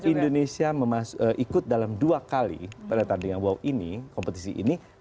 indonesia ikut dalam dua kali pada tandingan wow ini kompetisi ini